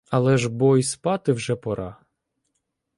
Але ж бо й спати вже пора.